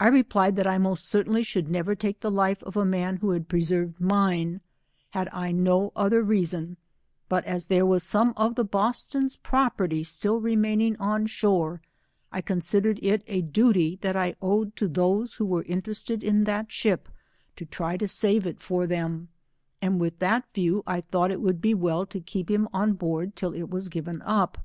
I replied that I most certainly should never take the life of a man 19;^ who had preserved mine, had I no other reason, but as there was some of the Boston's property still remaining on shore, I considered it a duty that I owed to those who \vere interested in that ship, to try to save it for them, and with that view I thought it would be well to keep him on board till it was given up.